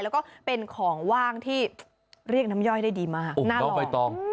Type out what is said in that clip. แล้วก็เป็นของว่างที่เรียกน้ำย่อยได้ดีมากหน้าลอยใบตอง